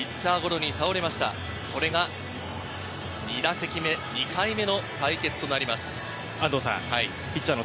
これが２打席目、２回目の対決となります。